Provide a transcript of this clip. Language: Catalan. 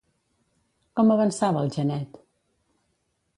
Com avançava el Janet?